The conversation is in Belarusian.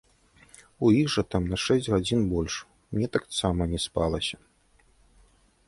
У іх жа там на шэсць гадзін больш, мне таксама не спалася.